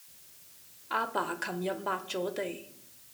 阿爸琴日抹咗地